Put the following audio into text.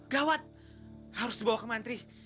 gawat harus dibawa ke mantri